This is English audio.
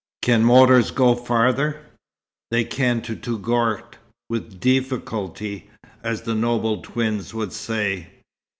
"Can motors go farther?" "They can to Touggourt with 'deeficulty,' as the noble twins would say."